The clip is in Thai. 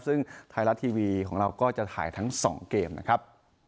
ซึ่งไทยรัฐทีวีของเราก็จะถ่ายทั้ง๒เกมนะครับ